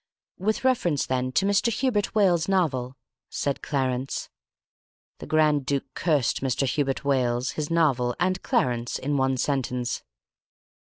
"With reference, then, to Mr. Hubert Wales's novel," said Clarence. The Grand Duke cursed Mr. Hubert Wales, his novel, and Clarence in one sentence.